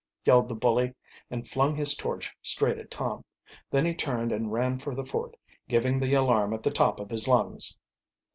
yelled the bully, and flung his torch straight at Tom. Then he turned and ran for the fort, giving the alarm at the top of his lungs.